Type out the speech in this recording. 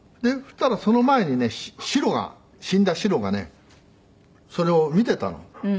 そしたらその前にねシロが死んだシロがねそれを見てたの。